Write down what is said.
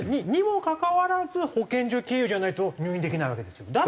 にもかかわらず保健所経由じゃないと入院できないわけですよ。